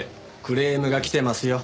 クレームが来てますよ。